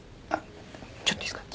ちょっといいですか？